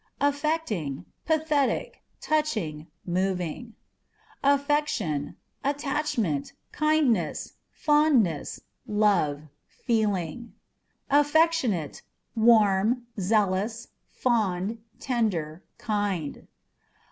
Affecting â€" pathetic, touching, moving. Affection â€" attachment, kindness, fondness, love, feeling. Affectionate â€" warm, zealous, fond, tender, kind.